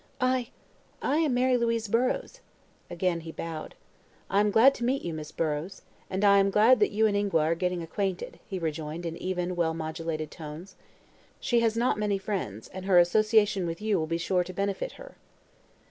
"I I am Mary Louise Burrows." Again he bowed. "I am glad to meet you, Miss Burrows. And I am glad that you and Ingua are getting acquainted," he rejoined, in even, well modulated tones. "She has not many friends and her association with you will be sure to benefit her."